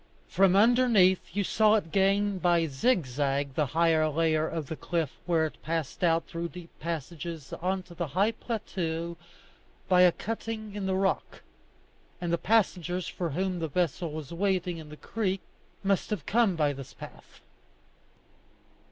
From underneath you saw it gain by zigzag the higher layer of the cliff where it passed out through deep passages on to the high plateau by a cutting in the rock; and the passengers for whom the vessel was waiting in the creek must have come by this path.